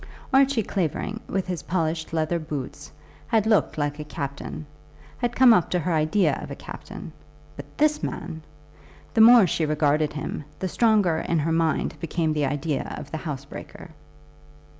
Archie Clavering, with his polished leather boots, had looked like a captain, had come up to her idea of a captain, but this man! The more she regarded him, the stronger in her mind became the idea of the housebreaker.